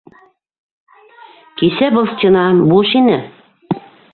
Кисә был стена буш ине!